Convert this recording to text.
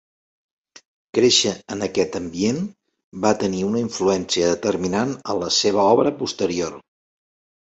Créixer en aquest ambient va tenir una influència determinant en la seva obra posterior.